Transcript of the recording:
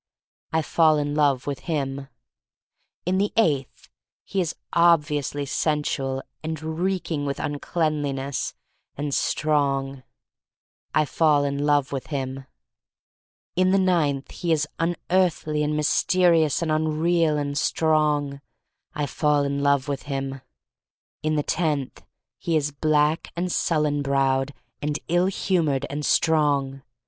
I fall in love with him. In the eighth he is obviously sensual r r\ 254 THE STORY OF MARY MAC LANE and reeking with uncleanness — and strong. I fall in love with him. In the ninth he is unearthly and mys terious and unreal — and strong. I fall in love with him. In the tenth he is black and sullen browed, and ill humored — and strong.